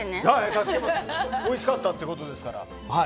おいしかったってことですから。